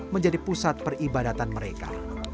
menjadi pusat peribadatan mereka